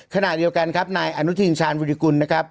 ขณะเดียวกันครับนายอนุทินชาญวิริกุลนะครับ